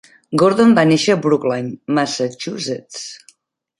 Gordon va néixer a Brookline, Massachusetts.